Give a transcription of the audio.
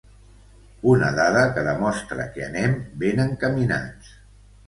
Una dada que demostra que anem ben encaminats.